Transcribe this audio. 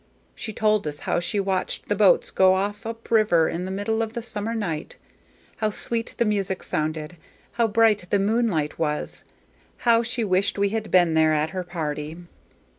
She told us how she watched the boats go off up river in the middle of the summer night; how sweet the music sounded; how bright the moonlight was; how she wished we had been there at her party.